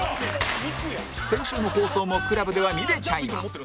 先週の放送も ＣＬＵＢ では見れちゃいます